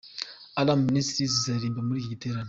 Alarm Ministries izaririmba muri iki giterane.